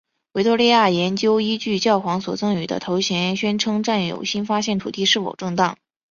维多利亚也研究依据教皇所赠与的头衔宣称占有新发现土地是否正当。